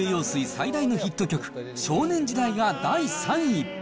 最大のヒット曲、少年時代が第３位。